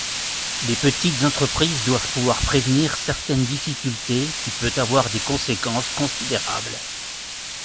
Les petites entreprises doivent pouvoir prévenir certaine difficulté qui peut avoir des conséquences considérables.